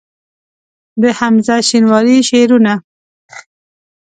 د حمزه شینواري شعرونه